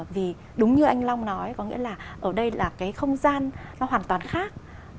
vì đúng như anh long nói có nghĩa là ở đây là cái không gian nó hoàn toàn khác